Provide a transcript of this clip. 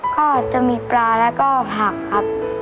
ก็จะมีปลาแล้วก็ผักครับ